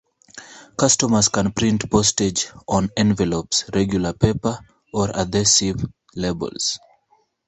Customers can print postage on envelopes, regular paper or adhesive labels.